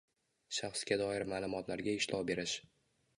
Shaxsga doir ma’lumotlarga ishlov berish